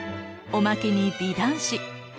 おまけに美男子。